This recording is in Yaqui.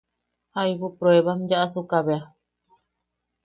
Jaibu pruebam yaʼasuka bea.